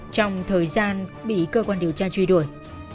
trong thời gian bị cơ quan điều tra truy đuổi